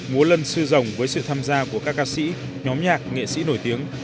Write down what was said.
múa lân sư rồng với sự tham gia của các ca sĩ nhóm nhạc nghệ sĩ nổi tiếng